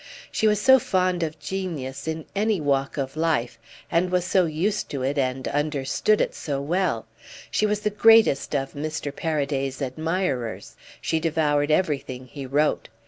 She was so fond of genius in any walk of life, and was so used to it and understood it so well: she was the greatest of Mr. Paraday's admirers, she devoured everything he wrote.